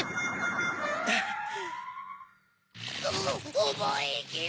おぼえてろ！